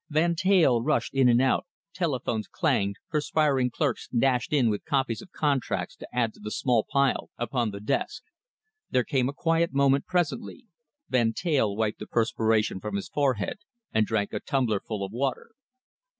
Van Teyl rushed in and out, telephones clanged, perspiring clerks dashed in with copies of contracts to add to the small pile upon the desk. There came a quiet moment presently. Van Teyl wiped the perspiration from his forehead and drank a tumblerful of water.